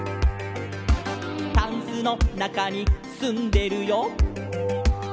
「タンスのなかにすんでるよ」